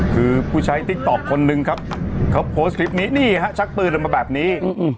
คือผู้ใช้ติ๊กต๊อกคนนึงครับเขาโพสต์คลิปนี้นี่ฮะชักปืนออกมาแบบนี้